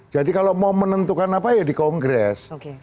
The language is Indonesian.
jadi kalau mau menentukan apa ya di kongres